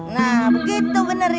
nah begitu bener ya